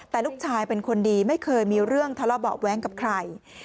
แต่ลูกชายเป็นคนดีไม่เคยมีเรื่องทะเลาะเบาะแว้งกับใคร